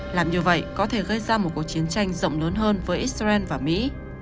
iran đã tạo ra một cuộc chiến tranh rộng lớn hơn với israel và mỹ